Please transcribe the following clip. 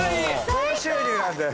高収入なんだよ。